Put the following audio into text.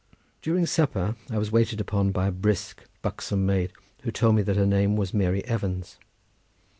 During supper I was waited upon by a brisk, buxom maid, who told me that her name was Mary Evans.